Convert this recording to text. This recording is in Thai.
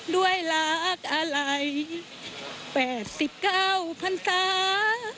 ด้วยหลากอะไหลแปดสิบเก้าพรรษา